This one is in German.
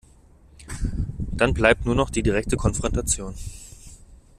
Dann bleibt nur noch die direkte Konfrontation.